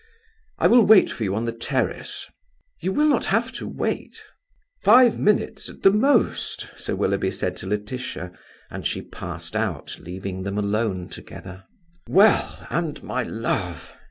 "I will wait for you on the terrace." "You will not have to wait." "Five minutes at the most," Sir Willoughby said to Laetitia, and she passed out, leaving them alone together. "Well, and my love!"